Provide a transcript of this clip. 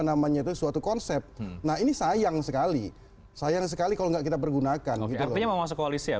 namanya itu suatu konsep nah ini sayang sekali sayang sekali kalau nggak kita bergunakan itu